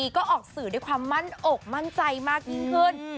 ก็ออกสื่อด้วยความมั่นอกมั่นใจมากยิ่งขึ้น